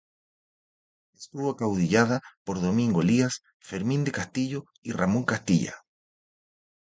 Estuvo acaudillada por Domingo Elías, Fermín del Castillo y Ramón Castilla.